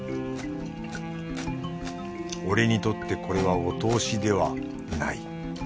俺にとってこれはお通しではない。